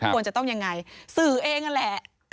ควรจะต้องยังไงสื่อเองนั่นแหละ